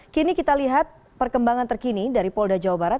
kini kita lihat perkembangan terkini dari polda jawa barat